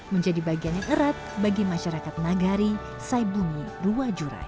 menjadi bagian yang erat bagi masyarakat nagari saibungi ruwajurai